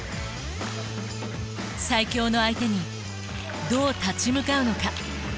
最強の相手にどう立ち向かうのか？